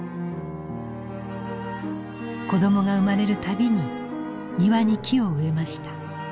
子どもが生まれるたびに庭に木を植えました。